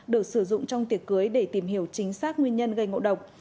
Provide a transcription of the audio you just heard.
được sử dụng trong tiệc cưới để tìm hiểu chính xác nguyên nhân gây ngộ độc